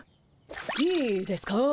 いいですかぁ？